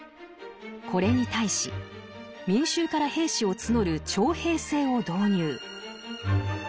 これに対し民衆から兵士を募る徴兵制を導入。